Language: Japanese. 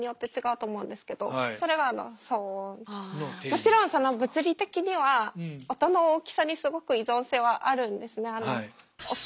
もちろんその物理的には音の大きさにすごく依存性はあるんですね。